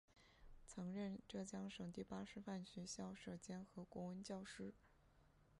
曾任浙江省第八师范学校舍监和国文教师。